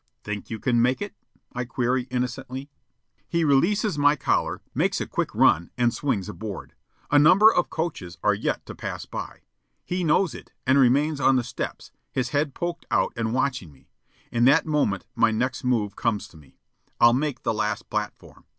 "Think you can make it?" I query innocently. He releases my collar, makes a quick run, and swings aboard. A number of coaches are yet to pass by. He knows it, and remains on the steps, his head poked out and watching me. In that moment my next move comes to me. I'll make the last platform.